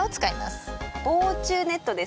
防虫ネットですね。